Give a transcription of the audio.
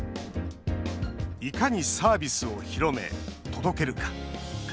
いかにサービスを広め、届けるか。